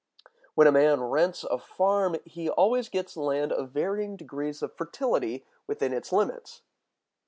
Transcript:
When a man rents a farm, he always gets land of varying degrees of fertility within its limits.